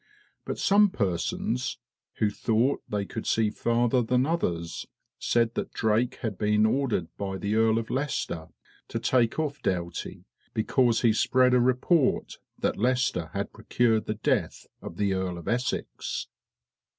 But some persons, who thought they could see farther than others, said that Drake had been ordered by the Earl of Leicester to take off Doughty, because he spread a report that Leicester had procured the death of the Earl of Essex."